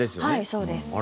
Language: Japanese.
そうです。